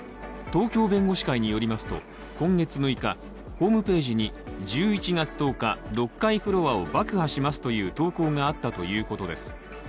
東京弁護士会によりますと今月６日、ホームページに１１月１０日、６階フロアを爆破しますという投稿があったということです。